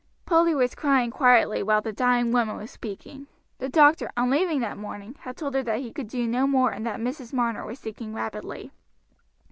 Polly was crying quietly while the dying woman was speaking. The doctor, on leaving that morning, had told her that he could do no more and that Mrs. Marner was sinking rapidly.